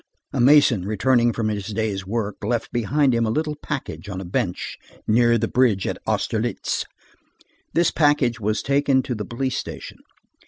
A mason returning from his day's work, left behind him a little package on a bench near the bridge of Austerlitz. This package was taken to the police station.